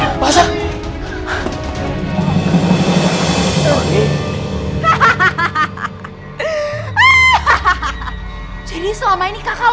apa yang ini bisa jadi mahal